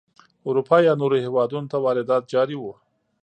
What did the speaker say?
اروپا یا نورو هېوادونو ته واردات جاري وو.